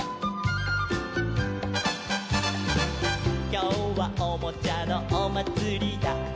「きょうはおもちゃのおまつりだ」